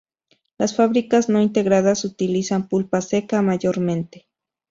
Las fábricas no integradas utilizan pulpa seca, mayormente.